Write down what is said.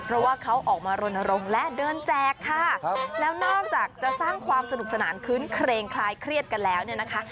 เพราะว่าเขาออกมารณรงค์และเดินแจกค่ะแล้วนอกจากจะสร้างความสนุกสนานคื้นเครงคลายเครียดกันแล้วเนี่ยนะคะ